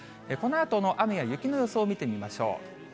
このあとの雨や雪の予想を見てみましょう。